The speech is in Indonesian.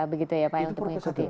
begitu ya pak ya untuk mengikuti